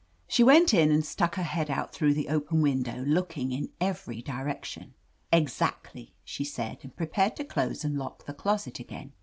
She went in and stuck her head out through the open window, looking in every direction. "Exactly/' she said and prepared to close and lock the closet again.